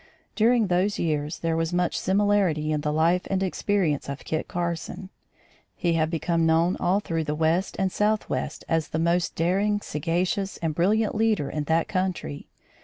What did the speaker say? During those years there was much similarity in the life and experience of Kit Carson. He had become known all through the west and southwest as the most daring, sagacious and brilliant leader in that country.